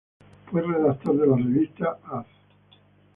Fue redactor de la revista falangista "Haz".